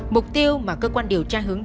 mục tiêu mà cơ quan điều tra hướng đến